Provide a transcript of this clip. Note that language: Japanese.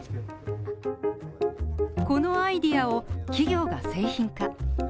このアイデアを企業が製品化。